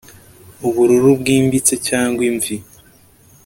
ubururu bwimbitse cyangwa imvi